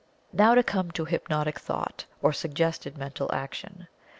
Now to come to Hypnotic thought, or suggested mental action.